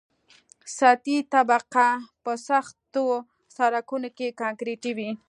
سطحي طبقه په سختو سرکونو کې کانکریټي وي